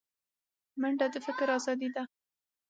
منډه د فکر ازادي ده